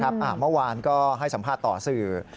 เมื่อวานก็ให้สัมภาษณ์ต่อสื่อ